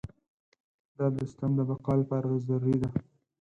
دا د سیستم د بقا لپاره ضروري ده.